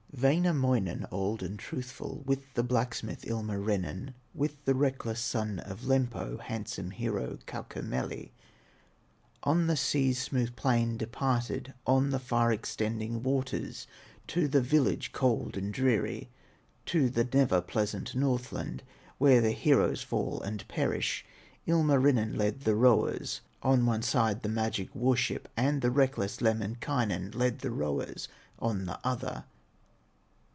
Wainamoinen, old and truthful, With the blacksmith, Ilmarinen, With the reckless son of Lempo, Handsome hero, Kaukomieli, On the sea's smooth plain departed, On the far extending waters, To the village, cold and dreary, To the never pleasant Northland, Where the heroes fall and perish. Ilmarinen led the rowers On one side the magic war ship, And the reckless Lemminkainen Led the rowers on the other.